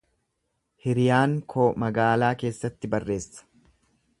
Hiriyaan koo magaalaa keessatti barreessa.